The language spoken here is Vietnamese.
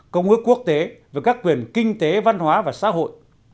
công ước quốc tế về các quyền kinh tế văn hóa và xã hội